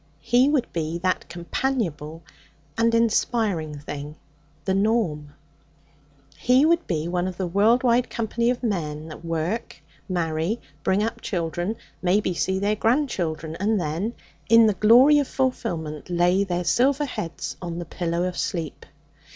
He would be that companionable and inspiring thing the norm. He would be one of the world wide company of men that work, marry, bring up children, maybe see their grandchildren, and then, in the glory of fulfilment, lay their silver heads on the pillow of sleep.